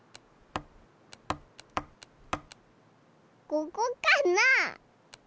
ここかな？